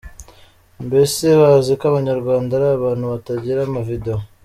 Mbese bazi ko Abanyarwanda ari abantu batagira ama ’video’.